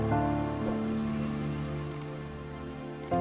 terima kasih ya